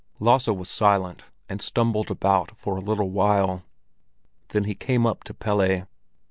Lasse was silent, and stumbled about for a little while. Then he came up to Pelle.